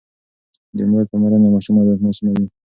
د مور پاملرنه د ماشوم عادتونه سموي.